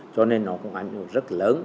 cho nên nó cũng ảnh hưởng rất lớn